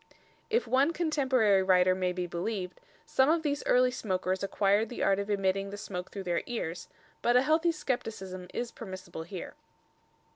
If one contemporary writer may be believed, some of these early smokers acquired the art of emitting the smoke through their ears, but a healthy scepticism is permissible here.